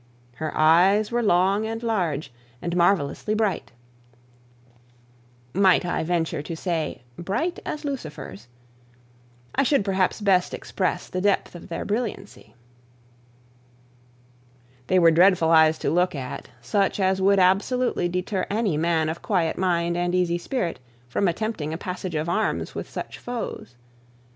Her eyes were long and large, and marvellously bright; might I venture to say, bright as Lucifer's, I should perhaps best express the depth of their brilliancy. They were dreadful eyes to look at, such as would absolutely deter any man of quiet mind and easy spirit from attempting a passage of arms with such foes.